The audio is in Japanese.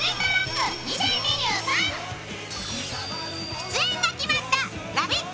出演が決まったラヴィット！